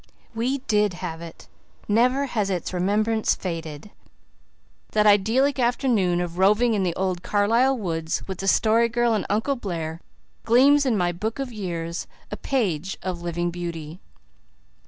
We did have it; never has its remembrance faded; that idyllic afternoon of roving in the old Carlisle woods with the Story Girl and Uncle Blair gleams in my book of years, a page of living beauty.